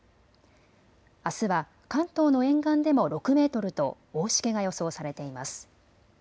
あすは関東の沿岸でも６メートルと大しけが予想されています。